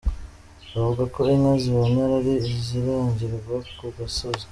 Bavuga ko inka zibonera ari iziragirwa ku gasozi.